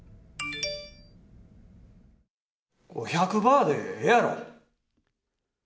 ５００バーでえあろ。